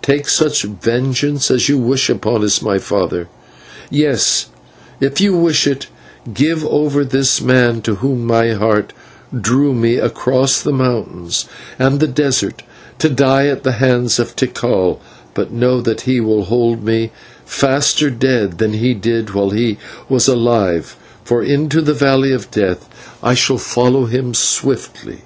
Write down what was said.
"Take such vengeance as you wish upon us, my father, yes, if you wish, give over this man, to whom my heart drew me across the mountains and the desert, to die at the hands of Tikal; but know that he will hold me faster dead than he did while he was alive, for into the valley of death I shall follow him swiftly."